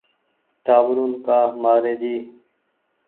ٽآٻرون ڪآ مآري جي